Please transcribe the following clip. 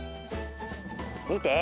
みて！